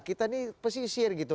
kita ini pesisir gitu